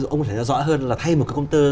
ông có thể nói rõ hơn là thay một cái công tơ